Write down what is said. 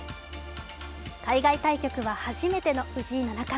海外対局は初めての藤井七冠。